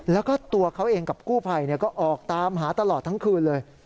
แล้วก็ตัวเขาเองกับกู้ภัยก็ออกตามหาตลอดทั้งคืนเลย